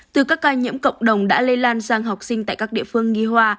từ các ca nhiễm cộng đồng đã lây lan sang học sinh tại các địa phương nghi hoa